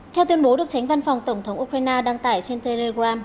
theo tuyên bố được tránh văn phòng tổng thống ukraine đăng tải trên telegram